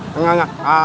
belum pernah aja